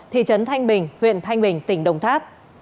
thị trấn thanh bình huyện thanh bình tỉnh đồng tháp